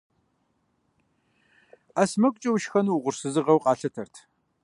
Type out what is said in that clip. Ӏэ сэмэгукӀэ ушхэну угъурсызыгъэу къалъытэрт.